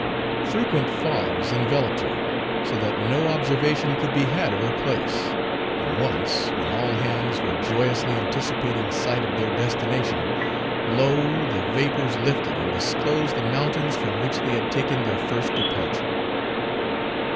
Frequent fogs enveloped her; so that no observation could be had of her place, and once, when all hands were joyously anticipating sight of their destination, lo! the vapors lifted and disclosed the mountains from which they had taken their first departure.